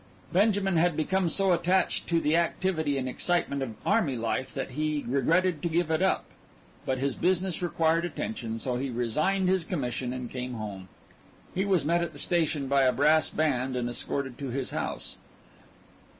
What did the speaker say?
Benjamin had become so attached to the activity and excitement of array life that he regretted to give it up, but his business required attention, so he resigned his commission and came home. He was met at the station by a brass band and escorted to his house.